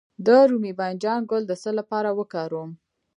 د رومي بانجان ګل د څه لپاره وکاروم؟